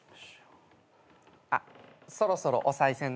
あっそろそろおさい銭。